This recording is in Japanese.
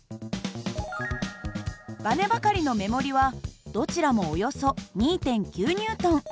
ばねばかりの目盛りはどちらもおよそ２．９Ｎ。